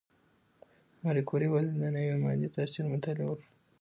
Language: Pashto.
ماري کوري ولې د نوې ماده د تاثیر مطالعه وکړه؟